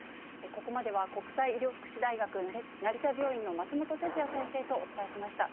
ここまでは国際医療福祉大学成田病院の松本哲哉先生とお伝えしました。